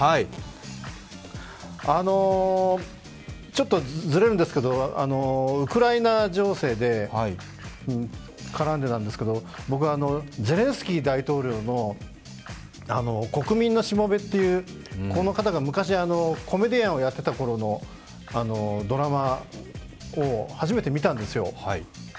ちょっとずれるんですけど、ウクライナ情勢に絡んでなんですけど、僕はゼレンスキー大統領の「国民のしもべ」という、この方が昔、コメディアンをやっていたころのドラマを初めて見たんですよ。